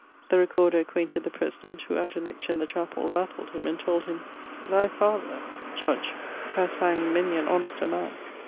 The recorder acquainted the President, who, at a lecture in the chapell, rattled him, and told him, 'Thy father,' (judge) 'haz hanged many an honester man.'